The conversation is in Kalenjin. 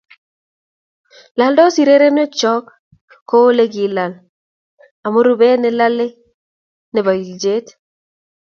Laldos irireenikyok ko uu ole kilaali amu rubeet ne lalei ne po iljet.